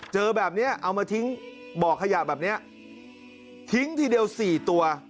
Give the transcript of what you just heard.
เจอแบบนี้เอามาทิ้งบ่อขยะแบบนี้ทิ้งทีเดียว๔ตัว